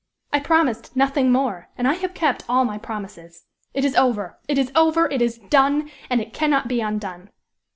I promised nothing more, and I have kept all my promises. It is over! it is over! it is done! and it cannot be undone!